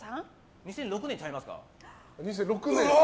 ２００６年ちゃいますか？